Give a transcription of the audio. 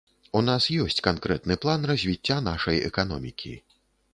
У нас ёсць канкрэтны план развіцця нашай эканомікі.